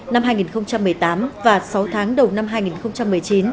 năm hai nghìn một mươi tám và sáu tháng đầu năm hai nghìn một mươi chín